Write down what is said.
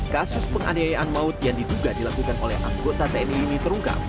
kasus penganiayaan maut yang diduga dilakukan oleh anggota tni ini terungkap